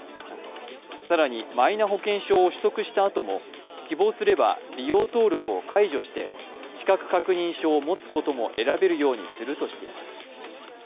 更に、マイナ保険証を取得したあとも希望すれば利用登録を解除して資格確認書を持つことも選べるようにするとしています。